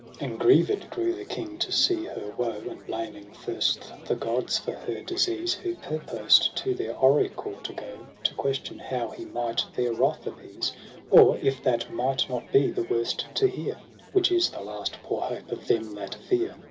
APRIL 89 9 And grieved grew the King to see her woe : And blaming first the gods for her disease. He purposed to their oracle to go To question how he might their wrath appease. Or, if that might not be, the worst to hear, — Which is the last poor hope of them that fear.